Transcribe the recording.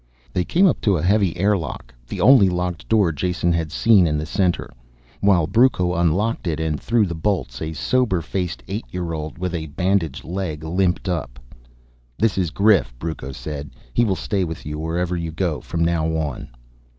They came up to a heavy air lock, the only locked door Jason had seen in the center. While Brucco unlocked it and threw the bolts, a sober faced eight year old with a bandaged leg limped up. "This is Grif," Brucco said. "He will stay with you, wherever you go, from now on."